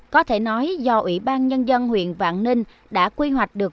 có thể nói do ủy ban nhân dân huyện vạn ninh đã quy hoạch được